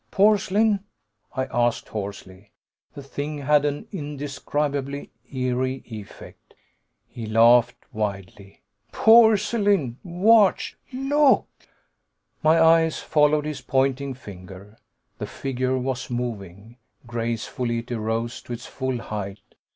Porcelain?" I asked hoarsely. The thing had an indescribably eery effect. He laughed wildly. "Porcelain? Watch ... look!" My eyes followed his pointing finger. The figure was moving. Gracefully it arose to its full height.